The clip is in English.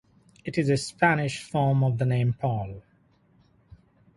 It is a Spanish form of the name Paul.